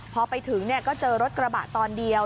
พอไปถึงก็เจอรถกระบะตอนเดียว